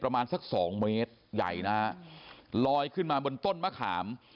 ประมาณสักสองเมตรใหญ่นะฮะลอยขึ้นมาบนต้นมะขาม